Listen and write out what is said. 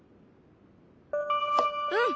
うん。